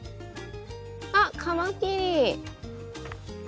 あっカマキリ。